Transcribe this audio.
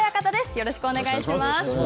よろしくお願いします。